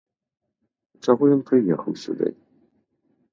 Чаго ён прыехаў сюды?